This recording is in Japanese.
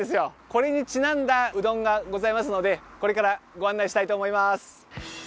これにちなんだうどんがございますのでこれからご案内したいと思います。